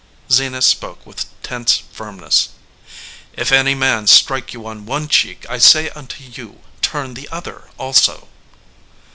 Zenas spoke with tense firmness :" If any man strike you on one cheek I say unto you turn the other also.